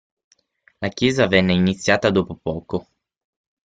La chiesa venne iniziata dopo poco.